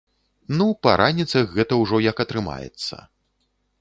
Ну, па раніцах гэта ўжо як атрымаецца.